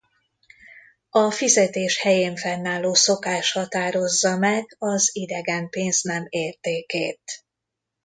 A fizetés helyén fennálló szokás határozza meg az idegen pénznem értékét.